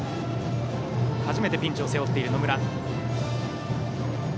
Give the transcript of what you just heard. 初めてピンチを背負った野村。